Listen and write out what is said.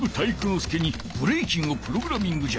介にブレイキンをプログラミングじゃ。